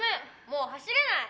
もう走れない！